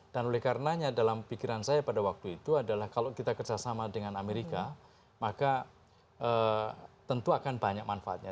dan oleh karenanya dalam pikiran saya pada waktu itu adalah kalau kita kerjasama dengan amerika maka tentu akan banyak manfaatnya